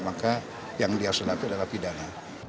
maka yang diasunapi adalah pidana